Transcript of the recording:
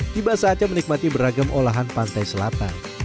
tiba saatnya menikmati beragam olahan pantai selatan